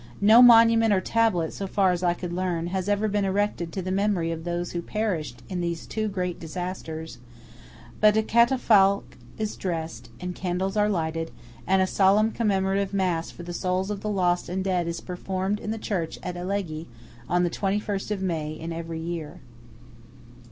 No monument or tablet, so far as I could learn, has ever been erected to the memory of those who perished in these two great disasters; but a catafalque is dressed, and candles are lighted, and a solemn commemorative mass for the souls of the lost and dead is performed in the church at Alleghe on the 21st of May in every year.